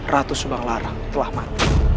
ratu subanglaran telah mati